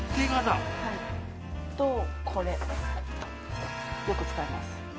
あと、これよく使います。